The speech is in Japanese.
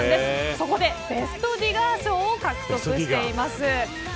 そこでベストディガー賞を獲得しています。